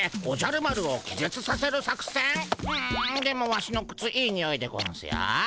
んでもワシのくついいにおいでゴンスよ。